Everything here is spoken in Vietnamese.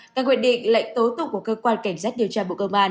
các quy định lệnh tố tục của cơ quan cảnh giác điều tra bộ công an